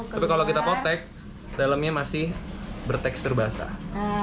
tapi kalau kita potek dalamnya masih bertekstur basah